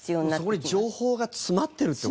そこに情報が詰まってるって事？